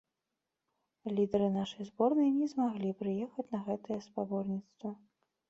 Лідары нашай зборнай не змаглі прыехаць на гэтае спаборніцтва.